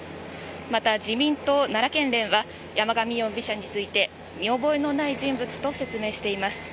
また、自民党奈良県連は山上容疑者について見覚えのない人物と説明しています。